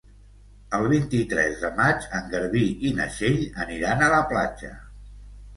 El vint-i-tres de maig en Garbí i na Txell aniran a la platja.